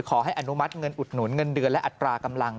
อนุมัติเงินอุดหนุนเงินเดือนและอัตรากำลัง